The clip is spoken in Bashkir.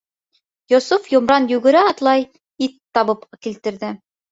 Йософ йомран йүгерә-атлай ит табып килтерҙе.